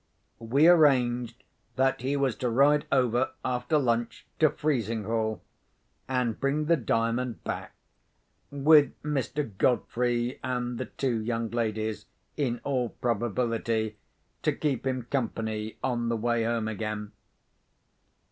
We arranged that he was to ride over, after lunch, to Frizinghall, and bring the Diamond back, with Mr. Godfrey and the two young ladies, in all probability, to keep him company on the way home again.